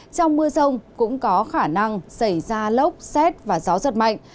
trong mưa rông cũng có khả năng xảy ra lốc xét và gió giật mạnh